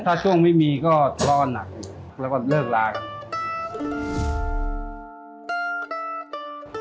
ถ้าช่วงไม่มีก็ล่อหนักแล้วก็เลิกล้ากัน